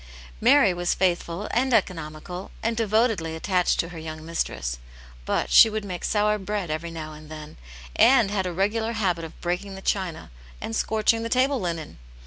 Mary was faithful and economical, and devotedly attached to her young mistress, but she would make sour bread every now and then, and had a regular habit of breaking the china and scorching the table linen.